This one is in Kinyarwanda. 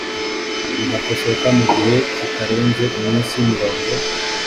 bigakosoka mu gihe kitarenze iminsi mirongo